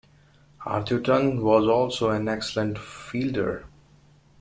Arthurton was also an excellent fielder.